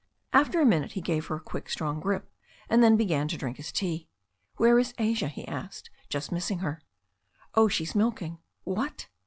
After a minute he gave her a quick, strong grip, and then began to drink his tea. "Where is Asia?" he asked, just missing her. "Oh, she's milking." "What